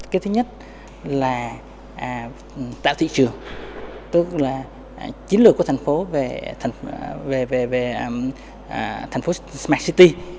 cái thứ nhất là tạo thị trường tức là chiến lược của thành phố về thành phố smart city